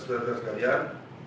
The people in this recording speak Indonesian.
demikian setelah sekalian